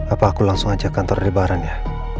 apa aku langsung ajak kantor lebaran ya